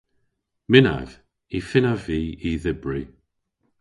Mynnav. Y fynnav vy y dhybri.